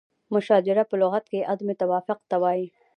مشاجره په لغت کې عدم توافق ته وایي.